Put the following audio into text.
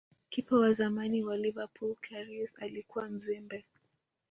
kipa wa zamani wa Liverpool Karius alikuwa mzembe